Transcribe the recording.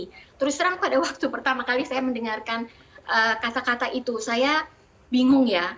dan saya serang pada waktu pertama kali saya mendengarkan kata kata itu saya bingung ya